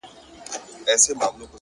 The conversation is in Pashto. • زه هم خطا وتمه ـ